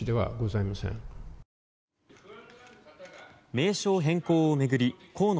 名称変更を巡り河野